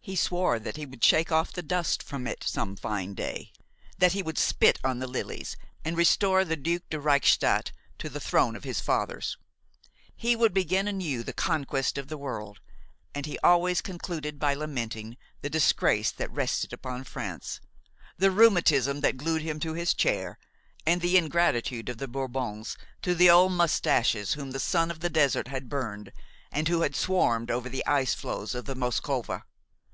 He swore that he would shake off the dust from it some fine day, that he would spit on the lilies and restore the Duc de Reichstadt to the throne of his fathers; he would begin anew the conquest of the world; and he always concluded by lamenting the disgrace that rested upon France, the rheumatism that glued him to his chair and the ingratitude of the Bourbons to the old moustaches whom the sun of the desert had burned and who had swarmed over the ice floes of the Moskowa.